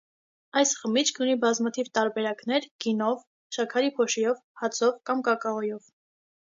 Այս խմիչքն ունի բազմաթիվ տարբերակներ. գինով, շաքարի փոշիով, հացով կամ կակաոյով։